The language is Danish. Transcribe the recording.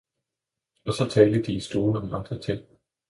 Og så talte de i stuen om andre ting.